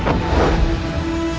aku akan mencari angin bersamamu